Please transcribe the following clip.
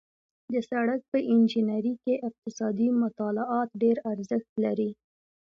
د سړک په انجنیري کې اقتصادي مطالعات ډېر ارزښت لري